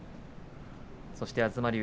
そして東龍